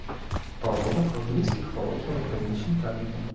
Па водгуках блізкіх, валодала педагагічным талентам.